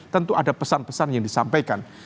tentu ada pesan pesan yang disampaikan